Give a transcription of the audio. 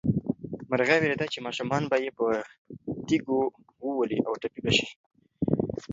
مرغۍ وېرېده چې ماشومان به یې په تیږو وولي او ټپي به شي.